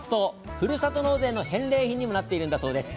ふるさと納税の返礼品にもなっているんだそうです。